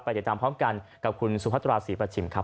ติดตามพร้อมกันกับคุณสุพัตราศรีประชิมครับ